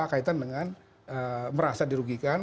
kaitan dengan merasa dirugikan